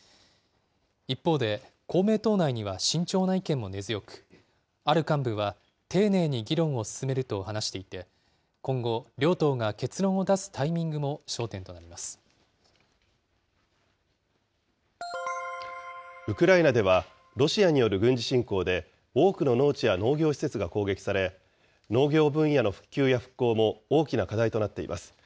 一方で、公明党内には慎重な意見も根強く、ある幹部は、丁寧に議論を進めると話していて、今後、両党が結論を出すタイミンウクライナでは、ロシアによる軍事侵攻で多くの農地や農業施設が攻撃され、農業分野の復旧や復興も大きな課題となっています。